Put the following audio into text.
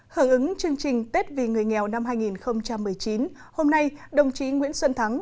hở ứng chương trình tết vì người nghèo năm hai nghìn một mươi chín hôm nay đồng chí nguyễn xuân thắng